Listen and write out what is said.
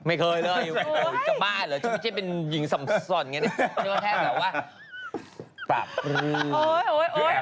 ไม่เคยเลยจากบ้านเหรอจะไม่ใช่เป็นหญิงส่ำส่อนอย่างนี้